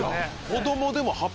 子供でも。